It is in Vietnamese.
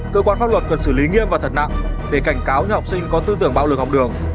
cơ quan pháp luật cần xử lý nghiêm và thật nặng để cảnh cáo những học sinh có tư tưởng bạo lực học đường